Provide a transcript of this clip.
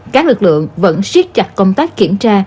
các lực lượng vẫn siết chặt công tác kiểm tra